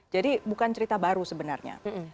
jadi bukan cerita baru sebenarnya